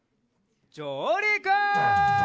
じょうりく！